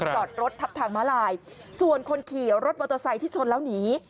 จอดรถทับทางม้าลายส่วนคนขี่รถมอเตอร์ไซค์ที่ชนแล้วหนี